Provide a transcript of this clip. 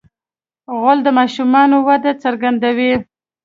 غول د ماشوم وده څرګندوي.